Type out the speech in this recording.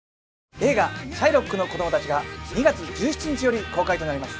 「映画『シャイロックの子供たち』が２月１７日より公開となります」